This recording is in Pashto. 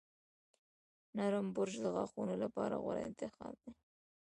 نرم برش د غاښونو لپاره غوره انتخاب دی.